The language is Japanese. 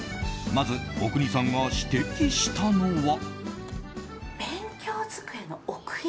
まず阿国さんが指摘したのは。